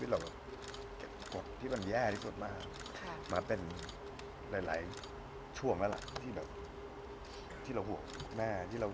และแม่อัตที่สุดมาเลยเป็นหลายช่วงที่เราห่วงแม่ที่ห่วง